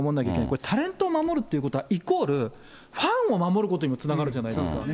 これ、タレントを守るということは、イコール、ファンを守ることにもつながるじゃないですか。